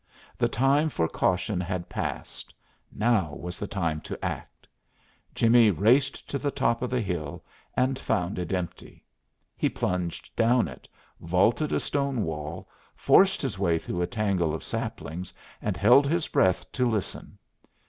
The time for caution had passed, now was the time to act. Jimmie raced to the top of the hill, and found it empty. He plunged down it, vaulted a stone wall, forced his way through a tangle of saplings, and held his breath to listen.